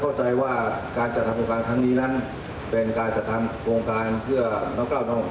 เพราะว่าของท่านเจ้าก็ส่งอาปทางเสมอ